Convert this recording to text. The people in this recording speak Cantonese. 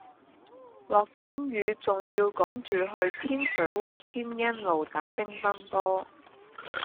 落緊雨仲要趕住去天水圍天恩路打乒乓波